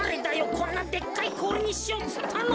こんなでかいこおりにしようっつったの。